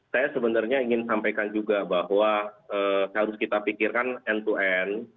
saya sebenarnya ingin sampaikan juga bahwa harus kita pikirkan end to end